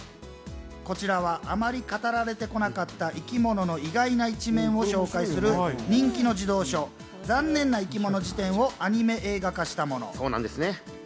こちらはあまり語られてこなかった生き物の意外な一面を紹介する人気の児童書『ざんねんないきもの事典』をアニメ映画化したもの。